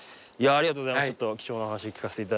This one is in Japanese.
ありがとうございます。